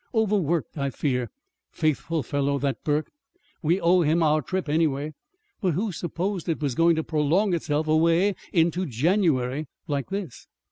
Overworked, I fear. Faithful fellow that, Burke! We owe him our trip, anyway. But who supposed it was going to prolong itself away into January like this?"